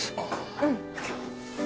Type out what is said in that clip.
うん。